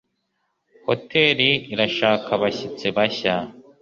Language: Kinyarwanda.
Hoteri irashaka abashyitsi bashya